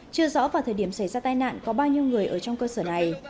chưa rõ vào thời điểm xảy ra tai nạn có bao nhiêu người ở trong cơ sở này